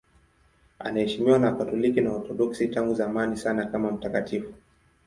Anaheshimiwa na Wakatoliki na Waorthodoksi tangu zamani sana kama mtakatifu.